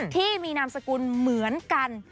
ที่มีนามสกุลเหมือนกัน